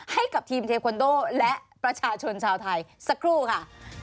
ให้กับทีมเทควันโดและประชาชนชาวไทยสักครู่ค่ะ